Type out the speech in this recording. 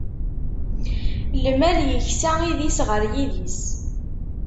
Lmal yeksa idis ɣer yidis.